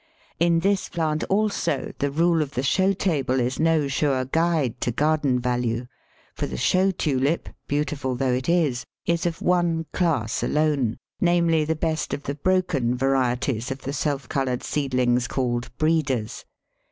In this plant also the rule of the show table is no sure guide to garden value; for the show Tulip, beautiful though it is, is of one class alone namely, the best of the "broken" varieties of the self coloured seedlings called "breeders."